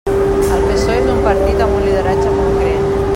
El PSOE és un partit amb un lideratge concret.